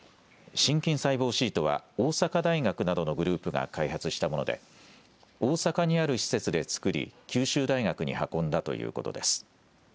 心筋細胞シートは大阪大学などのグループが開発したもので大阪にある施設で作り九州大学に運んだということです。